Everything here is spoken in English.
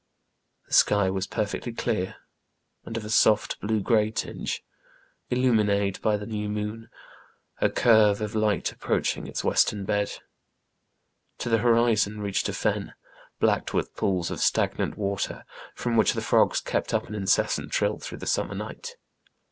The sky was perfectly clear, and of a soft, blue grey tinge ; illumined by the new moon, a curve of light approaching its western bed. To the horizon reached a fen, blacked .with pools of stagnant water. INTRODUCTORY. 5 from which the frogs kept up an incessant trill through the summer night.